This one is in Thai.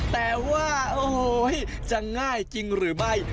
แต่ว่าโอ้โหจะง่ายจริงหรือไม่